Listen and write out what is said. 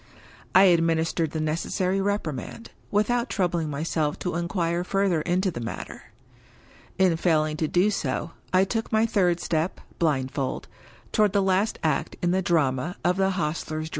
I administered the necessary reprimand, without troubling myself to inquire further into the matter. In failing to do this, I took my third step, blindfold, toward the last act in the drama of the Hostler's Dream.